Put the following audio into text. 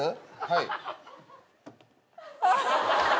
はい。